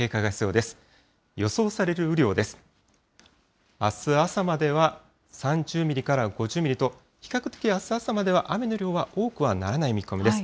あす朝までは、３０ミリから５０ミリと、比較的あす朝までは雨の量は多くはならない見込みです。